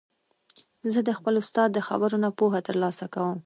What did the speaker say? زه د خپل استاد د خبرو نه پوهه تر لاسه کوم.